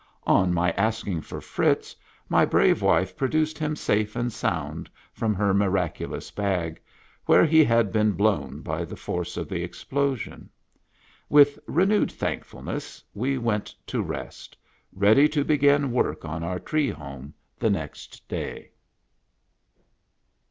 On my asking for Fritz, my brave wife produced him safe and sound from her miraculous bag, where he had been blown by the force of the explosion. With renewed thank fulness we went to rest, ready to begin work on our tree home the next day.